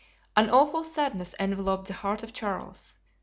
An awful sadness enveloped the heart of Charles.